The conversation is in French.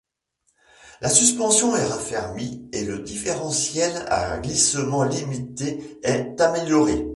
La suspension est raffermie et le différentiel à glissement limité est amélioré.